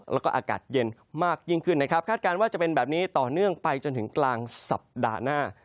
แล้วก็อากาศเย็นมากยิ่งขึ้นนะครับคาดการณ์ว่าจะเป็นแบบนี้ต่อเนื่องไปจนถึงกลางสัปดาห์หน้า